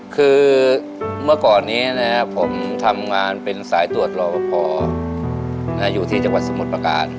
คือเมื่อก่อนนี้นะครับผมทำงานเป็นสายตรวจรอปภอยู่ที่จังหวัดสมุทรประการ